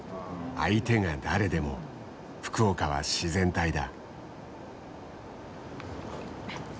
相手が誰でも福岡は自然体だ。